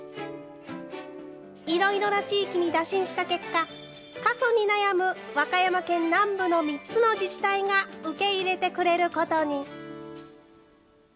いろいろな地域に打診した結果、過疎に悩む和歌山県南部の３つの自治体が受け入れてくれることに。